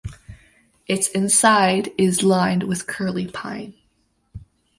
Its inside is lined with curly pine.